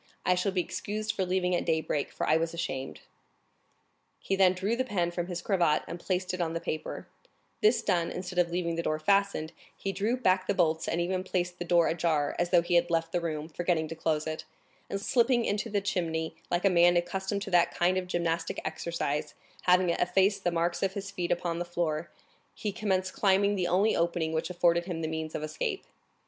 I shall be excused for leaving at daybreak, for I was ashamed." He then drew the pin from his cravat and placed it on the paper. This done, instead of leaving the door fastened, he drew back the bolts and even placed the door ajar, as though he had left the room, forgetting to close it, and slipping into the chimney like a man accustomed to that kind of gymnastic exercise, after replacing the chimney board, which represented Achilles with Deidamia, and effacing the very marks of his feet upon the ashes, he commenced climbing the hollow tunnel, which afforded him the only means of escape left.